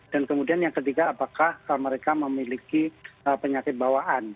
kemudian yang ketiga apakah mereka memiliki penyakit bawaan